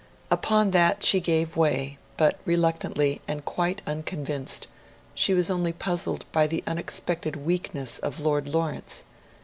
Upon that she gave way, but reluctantly and quite unconvinced; she was only puzzled by the unexpected weakness of Lord Lawrence.